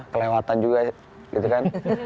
kelewatan juga gitu kan